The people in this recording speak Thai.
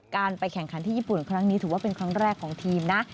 การไปแข่งขันที่ญี่ปุ่นครั้งนี้ถือว่าเป็นครั้งแรกของทีมนะ